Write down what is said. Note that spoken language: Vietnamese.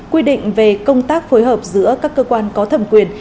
quy định về công tác phối hợp giữa các cơ quan có thẩm quyền